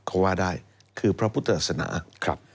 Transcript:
เขาว่าได้คือพระพุทธศนา